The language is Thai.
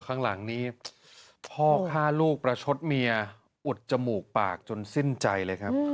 ข้างหลังนี้พ่อฆ่าลูกประชดเมียอุดจมูกปากจนสิ้นใจเลยครับ